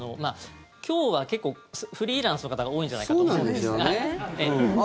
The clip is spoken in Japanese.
今日は結構、フリーランスの方が多いんじゃないかと思うんです。